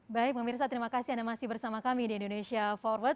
baik pemirsa terima kasih anda masih bersama kami di indonesia forward